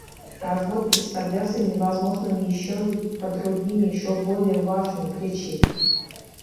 Развод представлялся невозможным еще и по другим, еще более важным причинам.